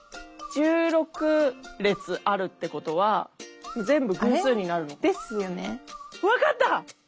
１６列あるってことは全部偶数になるのか。ですよね。